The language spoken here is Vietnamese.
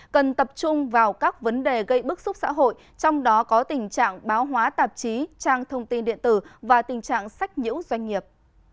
cần tập trung vào các vấn đề gây bức xúc xã hội trong đó có tình trạng báo hóa tạp chí trang thông tin điện tử và tình trạng sách nhũ doanh nghiệp